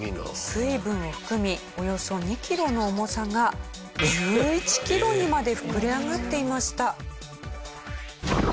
水分を含みおよそ２キロの重さが１１キロにまで膨れ上がっていました。